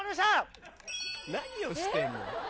何をしてんねん。